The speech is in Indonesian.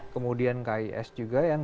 kemudian kis juga yang